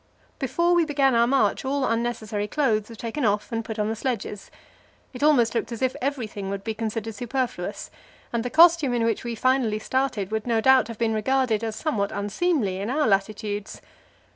Before we began our march all unnecessary clothes were taken off and put on the sledges. It almost looked as if everything would be considered superfluous, and the costume in which we finally started would no doubt have been regarded as somewhat unseemly in our latitudes.